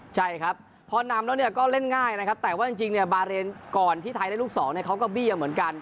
ใช่ครับพอนำแล้วเนี่ยก็เล่นง่ายนะครับแต่ว่าจริงเนี่ยบาเรนก่อนที่ไทยได้ลูกสองเนี่ยเขาก็เบี้ยเหมือนกัน